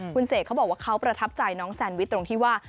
คุณเสกเขาบอกว่าเขาประทับใจน้องแซนวิชตรงที่ว่า